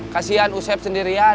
kasian usap sendirian